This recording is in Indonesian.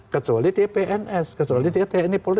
kecuali di pns kecuali dia tni polri